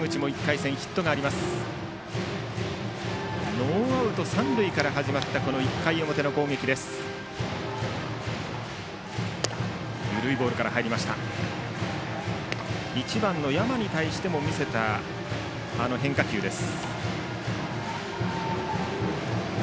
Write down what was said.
１番の山に対しても見せた変化球です。